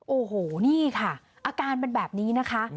โอ้โหนี่ค่ะอาการเป็นแบบนี้นะคะ